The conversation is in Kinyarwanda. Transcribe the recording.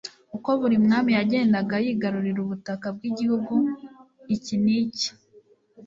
Uko buri mwami yagendaga yigarurira ubutaka bw'igihugu iki n'iki